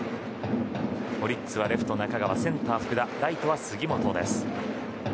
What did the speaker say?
オリックスはレフト、中川センター、福田ライトは杉本です。